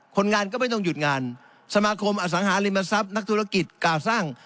คนงานก็ไม่ต้องหยุดงานสมาคมอสังหาริมทรัพย์นักธุรกิจกล่าวสร้าง